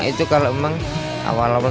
itu kalau memang awal awal